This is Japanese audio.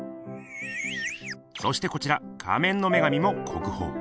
そしてこちら「仮面の女神」も国宝。